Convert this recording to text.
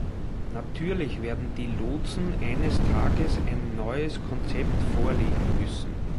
Natürlich werden die Lotsen eines Tages ein neues Konzept vorlegen müssen.